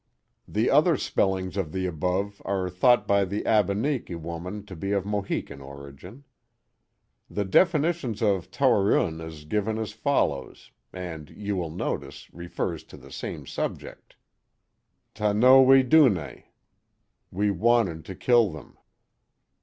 The other spellings of the above are thought by the Abeniki woman to be of Mohican origin. The definition of Towereune is given as follows, and, you will notice, refers to the same subject: Ta no we do ne — We wanted to kill them.